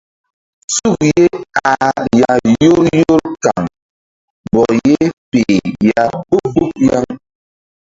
Suk ye ah ya yor yor kaŋ bɔk ye peh ya mgbuk mgbuk yaŋ.